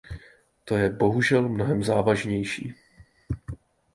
To je bohužel mnohem závažnější.